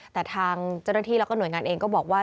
แต่ทางเจ้าหน้าที่แล้วก็หน่วยงานเองก็บอกว่า